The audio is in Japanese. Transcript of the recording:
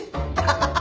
ハハハハ。